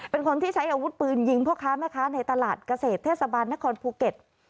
เป็นคนที่ใช้อาวุธปืนยิงพ่อค้าแม่ค้าในตลาดเกษตรเทศบาลนครภูเก็ต